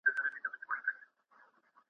ایا یوه ویډیو په اې ای جوړه شوې ده؟